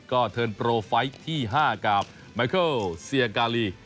ก็เทิร์นโปรไฟล์ที่๕กับไมเคิลเซียกาลี